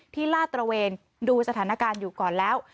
ลาดตระเวนดูสถานการณ์อยู่ก่อนแล้ว